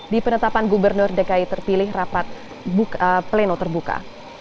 di penetapan gubernur dki terpilih rapat pleno terbuka